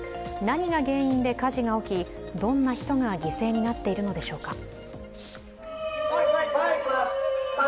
何が原因で火事が起き、どんな人が犠牲になっているのでしょうか。